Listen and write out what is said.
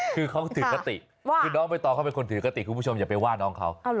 คือเขาถือคติคือน้องใบตองเขาเป็นคนถือคติคุณผู้ชมอย่าไปว่าน้องเขา